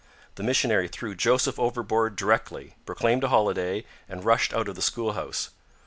The missionary threw Joseph overboard directly, proclaimed a holiday, and rushed out of the school house.